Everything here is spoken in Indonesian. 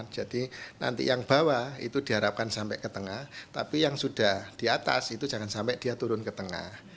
jadi nanti yang bawah itu diharapkan sampai ke tengah tapi yang sudah di atas itu jangan sampai dia turun ke tengah